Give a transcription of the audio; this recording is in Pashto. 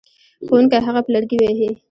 ښوونکی هغه په لرګي وهي.